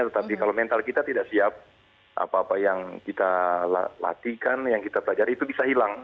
tetapi kalau mental kita tidak siap apa apa yang kita latihkan yang kita pelajari itu bisa hilang